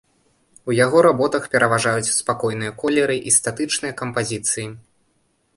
У яго работах пераважаюць спакойныя колеры і статычныя кампазіцыі.